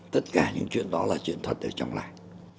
tất cả những chuyện đó là chuyện thật ở trong làng